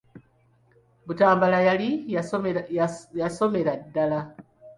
Butambala yali yasomera ddala.